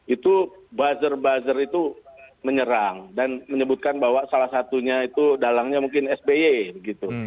itu buzzer buzzer itu menyerang dan menyebutkan bahwa salah satunya itu dalangnya mungkin sby gitu